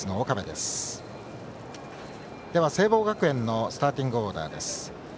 では、聖望学園のスターティングオーダーです。